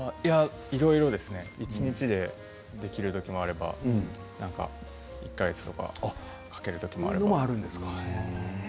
いろいろですね、一日でできることもあれば１か月とかかける時もあります。